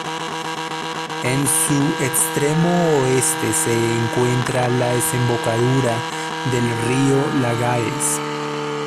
En su extremo oeste se encuentra la desembocadura del río Lagares.